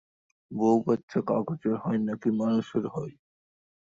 বউ-বাচ্চা কগজের হয় নাকি মানুষের হয়?